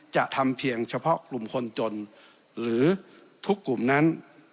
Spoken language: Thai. จะทำเพียงเฉพาะกลุ่มคนจนหรือทุกกลุ่มนั้น